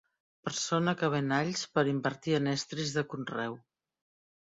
Persona que ven alls per invertir en estris de conreu.